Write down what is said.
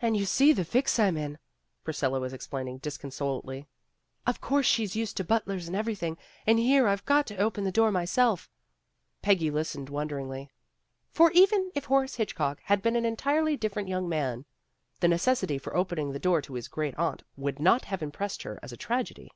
"And you see the fix I'm in," Priscilla was explaining disconsolately. "Of course she's used to butlers and everything, and here I've got to go to open the door myself." MISTRESS AND MAID 147 Peggy listened wonderingly. For even if Horace Hitchcock had been an entirely different young man, the necessity for opening the door to his great aunt would not have impressed her as a tragedy.